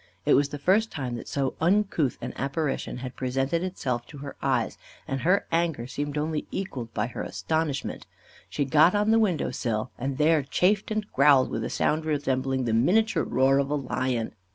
It was the first time that so uncouth an apparition had presented itself to her eyes, and her anger seemed only equalled by her astonishment. She got on the window sill, and there chafed and growled with a sound resembling the miniature roar of a lion.